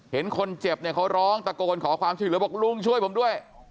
เห็นคนเจ็บเนี่ยเขาร้องตะโกนขอความช่วยเหลือบอกลุงช่วยผมด้วย